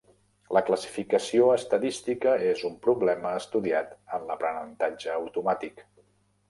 La classificació estadística és un problema estudiat en l'aprenentatge automàtic.